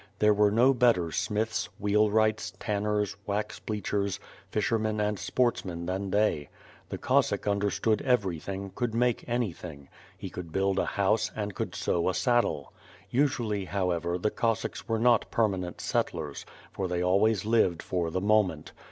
There were no better smitns, wheelwrightes, tanners, wax bleacliers, fishermen, and sportmen than they. The (^^ossack under stood everything, could make anything; he could build a house, and could sew a saddle. Usually, however, the Cos sacks were not permanent settlers, for they always lived for the moment.